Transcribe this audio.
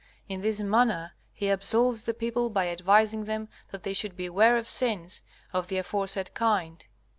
In this manner he absolves the people by advising them that they should beware of sins of the aforesaid kind.